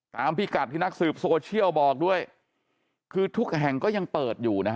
พิกัดที่นักสืบโซเชียลบอกด้วยคือทุกแห่งก็ยังเปิดอยู่นะฮะ